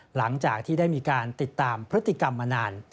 หลังจากที่ได้มีการติดตามพฤติกรรมมานาน